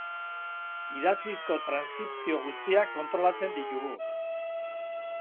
Idatzizko transkripzio guztiak kontrolatzen ditugu.